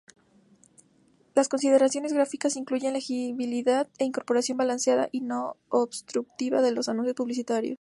Las consideraciones gráficas incluyen legibilidad e incorporación balanceada y no-obstructiva de los anuncios publicitarios.